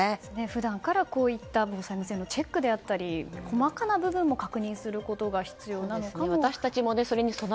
普段からこういった防災無線のチェックであったり細かな部分も確認することが必要なのかもしれません。